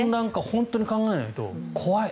本当に考えないと怖い。